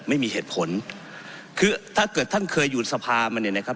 ไม่มีเหตุผลคือถ้าเกิดท่านเคยอยู่สภามาเนี่ยนะครับ